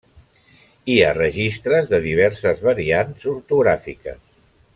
Hi ha registres de diverses variants ortogràfiques.